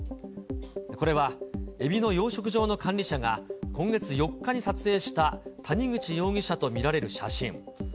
これはエビの養殖場の管理者が今月４日に撮影した谷口容疑者とみられる写真。